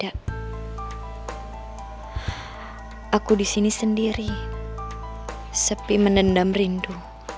aku disini sendiri sepi menendam rindu